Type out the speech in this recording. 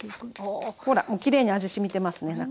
ほらもうきれいに味しみてますね